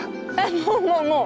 もうもうもう。